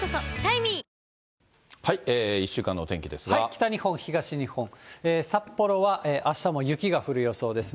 北日本、東日本、札幌はあしたも雪が降る予想です。